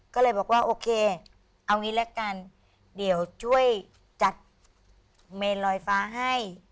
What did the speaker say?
ก็เลยบอกว่าโอเคเอางี้ละกันเดี๋ยวช่วยจัดเมนลอยฟ้าให้